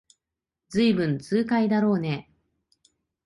ずいぶん痛快だろうねえ